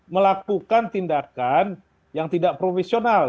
melakukan tindakan yang tidak profesional